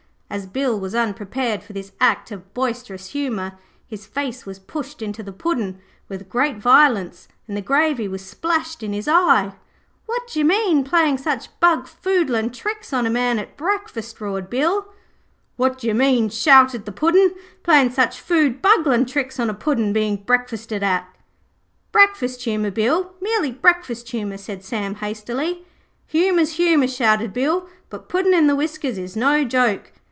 As Bill was unprepared for this act of boisterous humour, his face was pushed into the Puddin' with great violence, and the gravy was splashed in his eye. 'What d'yer mean, playin' such bungfoodlin' tricks on a man at breakfast?' roared Bill. 'What d'yer mean,' shouted the Puddin', 'playing such foodbungling tricks on a Puddin' being breakfasted at?' 'Breakfast humour, Bill, merely breakfast humour,' said Sam hastily. 'Humour's humour,' shouted Bill, 'but puddin' in the whiskers is no joke.'